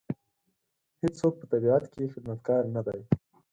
هېڅوک په طبیعت کې خدمتګار نه دی.